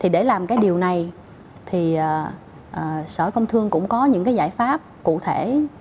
để làm cái điều này sở công thương cũng có những giải pháp cụ thể